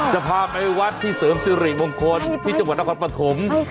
จะพาไปวัดที่เสริมสิริมงคลที่จังหวัดนครปฐม